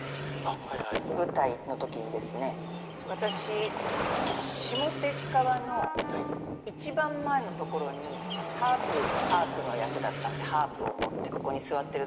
私下手っ側の一番前の所にハープハープの役だったんでハープを持ってここに座ってる。